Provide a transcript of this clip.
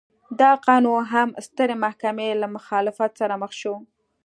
دا قانون هم د سترې محکمې له مخالفت سره مخ شو.